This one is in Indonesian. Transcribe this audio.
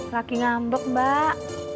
lagi ngambek mbak